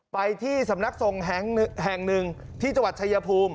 ไปที่สำนักทรงแห่งหนึ่งที่จังหวัดชายภูมิ